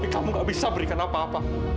kamu gak bisa berikan apa apa